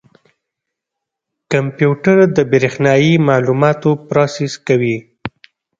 کمپیوټر د برېښنایي معلوماتو پروسس کوي.